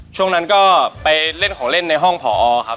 ช่วงนั้นก็ไปเล่นของเล่นในห้องผอครับ